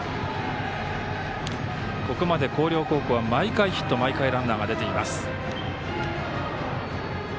ここまで広陵高校は毎回ヒット毎回ランナーが出ています。